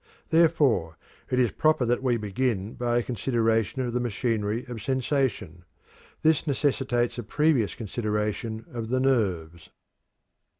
Therefore it is proper that we begin by a consideration of the machinery of sensation. This necessitates a previous consideration of the nerves.